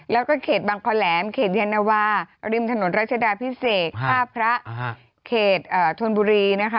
แล้วก็เขตบางคอแหลมเขตยานวาริมถนนรัชดาพิเศษท่าพระเขตธนบุรีนะคะ